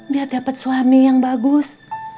biar dapat suami yang bagus